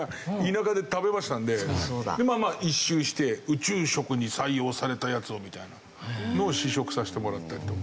でまあまあ一周して宇宙食に採用されたやつをみたいなのを試食させてもらったりとか。